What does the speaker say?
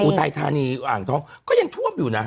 อุทัยธานีอ่างทองก็ยังท่วมอยู่นะ